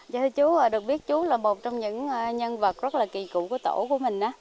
dạ thưa được biết chú là một trong những nhân vật rất là kỳ cụ của tổ của mình